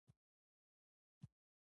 نوی ابتکار ټولنه بدلوي